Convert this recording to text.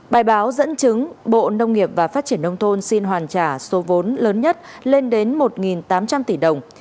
bài báo dẫn chứng bộ nông nghiệp và phát triển nông thôn xin hoàn trả số vốn lớn nhất lên đến một tám trăm linh tỷ đồng